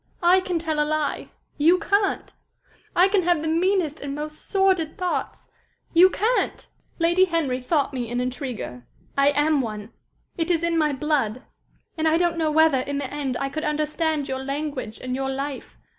I can tell a lie you can't. I can have the meanest and most sordid thoughts you can't. Lady Henry thought me an intriguer I am one. It is in my blood. And I don't know whether, in the end, I could understand your language and your life.